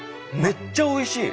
めっちゃおいしい！